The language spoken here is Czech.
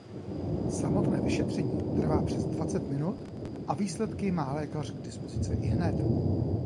Samotné vyšetření trvá přes dvacet minut a výsledky má lékař k dispozici ihned.